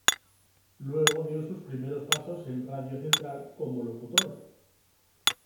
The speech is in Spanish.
Luego dio sus primeros pasos en "Radio Central" como locutor.